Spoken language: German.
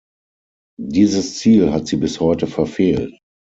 Dieses Ziel hat sie bis heute verfehlt.